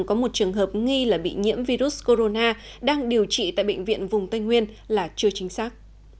có một trường hợp nghi là bị nhiễm virus corona đang điều trị tại bệnh viện vùng tây nguyên là chưa chính xác